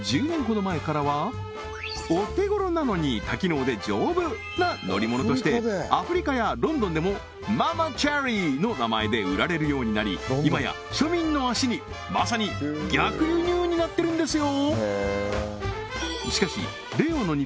お手ごろなのに多機能で丈夫な乗り物としてアフリカやロンドンでもｍａｍａｃｈａｒｉの名前で売られるようになり今や庶民の足にまさに逆輸入になってるんですよ